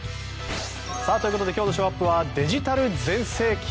ということで今日のショーアップはデジタル全盛期